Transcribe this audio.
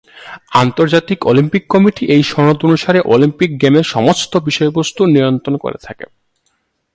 আন্তর্জাতিক Olympic committee এই সনদ অনুসারে অলিম্পিক গেমসের সমস্ত বিষয়বস্তু নিয়ন্ত্রণ করে থাকে।